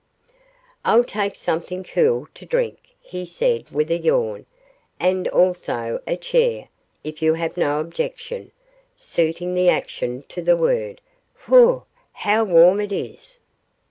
'I'll take something cool to drink,' he said, with a yawn, 'and also a chair, if you have no objection,' suiting the action to the word; 'whew! how warm it is.